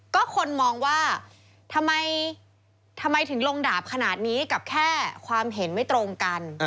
ก็คนมองว่าทำไมถึงลงดาบขนาดนี้กับแค่ความเห็นไม่ตรงกัน